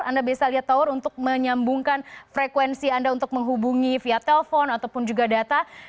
anda bisa lihat tower untuk menyambungkan frekuensi anda untuk menghubungi via telepon ataupun juga data